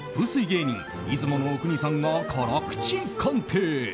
芸人・出雲阿国さんが辛口鑑定。